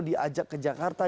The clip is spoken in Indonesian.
diajak ke jakarta